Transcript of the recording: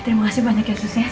terima kasih banyak ya sus